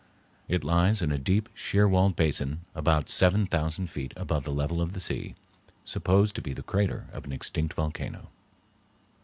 It lies in a deep, sheer walled basin about seven thousand feet above the level of the sea, supposed to be the crater of an extinct volcano.